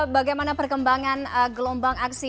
bagaimana perkembangan gelombang aksi